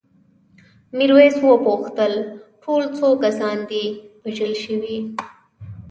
میرويس وپوښتل ټول څو کسان دي وژل شوي؟